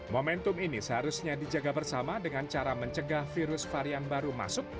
momentum ini seharusnya dijaga bersama dengan cara mencegah virus varian baru masuk